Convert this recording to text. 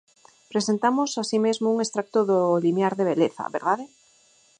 Presentamos así mesmo un extracto do limiar de Beleza, verdade.